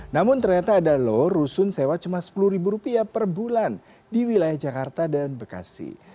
namun ternyata ada loh rusun sewa cuma sepuluh ribu rupiah per bulan di wilayah jakarta dan bekasi